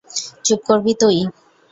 চুপ করবি তুই?